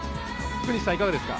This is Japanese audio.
福西さん、いかがですか。